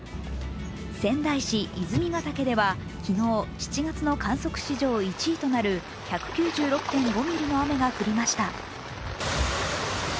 仙台市泉ヶ岳では、昨日７月の観測史上最大となる１９６．５ミリの雨が降りました。